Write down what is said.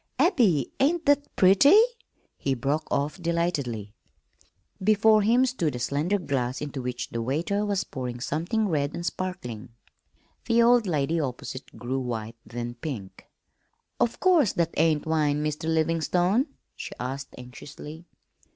Abby, ain't that pretty?" he broke off delightedly. Before him stood a slender glass into which the waiter was pouring something red and sparkling. The old lady opposite grew white, then pink. "Of course that ain't wine, Mr. Livingstone?" she asked anxiously.